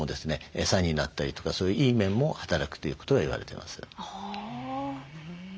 エサになったりとかいい面も働くということが言われてます。